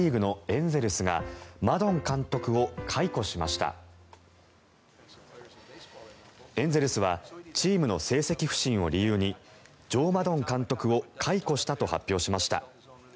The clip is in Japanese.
エンゼルスはチームの成績不振を理由にジョー・マドン監督を解雇したと発表しました。